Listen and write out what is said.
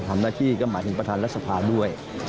ทำหน้าที่ก็หมายถึงประธานรัฐสภาด้วย